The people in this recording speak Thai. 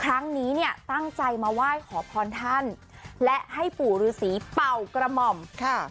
ครั้งนี้เนี่ยตั้งใจมาไหว้ขอพรท่านและให้ปู่ฤษีเป่ากระหม่อมค่ะ